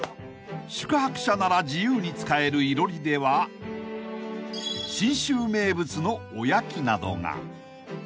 ［宿泊者なら自由に使えるいろりでは信州名物のおやきなどが］